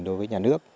đối với nhà nước